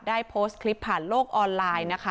โพสต์คลิปผ่านโลกออนไลน์นะคะ